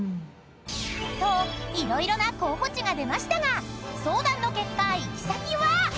［と色々な候補地が出ましたが相談の結果行き先は］